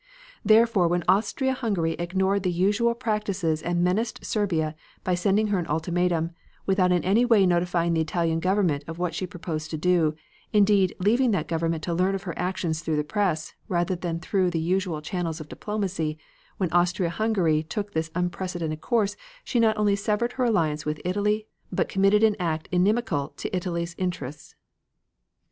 "Therefore, when Austria Hungary ignored the usual practices and menaced Serbia by sending her an ultimatum, without in any way notifying the Italian Government of what she proposed to do, indeed leaving that government to learn of her action through the press, rather than through the usual channels of diplomacy, when Austria Hungary took this unprecedented course she not only severed her alliance with Italy but committed an act inimical to Italy's interests....